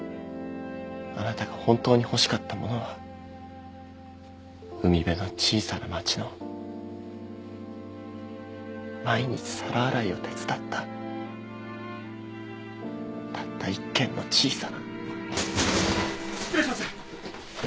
あなたが本当に欲しかったものは海辺の小さな町の毎日皿洗いを手伝ったたった１軒の小さな。